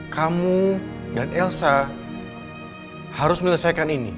kamu dan elsa harus menyelesaikan ini